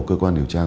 cơ quan điều tra